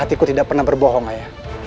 hati ku tidak pernah berbohong ayah